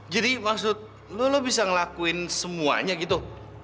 jadi maksud lo lo bisa ngelakuin semuanya gitu